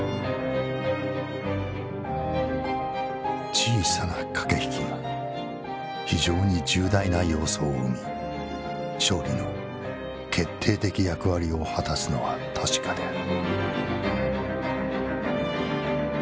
「小さな掛引きが非常に重大な要素を生み勝利の決定的役割を果すのは確かである」。